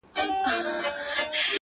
سترگي چي اوس نه برېښي د خدای له نور”